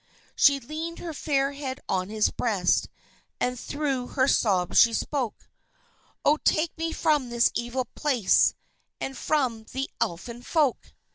She leaned her fair head on his breast, and through her sobs she spoke: "Oh, take me from this evil place, and from the Elfin folk!